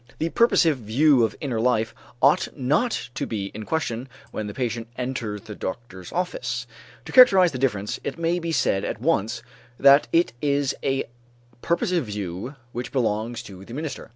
The purposive view of inner life ought not to be in question when the patient enters the doctor's office. To characterize the difference, it may be said at once that it is a purposive view which belongs to the minister.